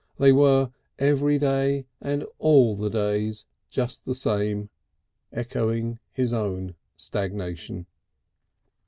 There they were, every day and all the days, just the same, echoing his own stagnation.